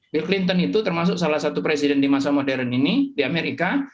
bill clinton itu termasuk salah satu presiden di masa modern ini di amerika